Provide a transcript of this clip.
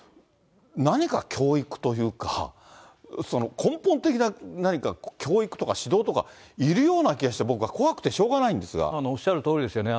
何か教育というか、根本的な何か教育とか指導とかいるような気がして、おっしゃるとおりですよね。